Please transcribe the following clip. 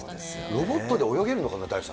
ロボットって泳げるのかな？